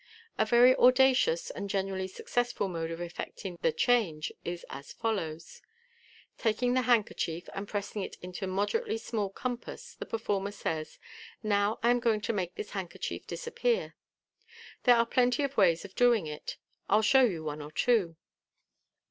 A very audacious and generally successful mode of effecting the change is as follows : Taking the handkerchief, and pressing it into a moderately small compass, the performer says, " Now 1 am going to make this handkerchief disappear. There are plenty of ways of doing it. I'll show you one or two.